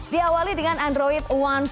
diawali dengan android satu lima